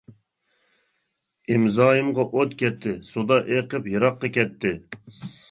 ئىمزايىمغا ئوت كەتتى، سۇدا ئېقىپ يىراققا كەتتى.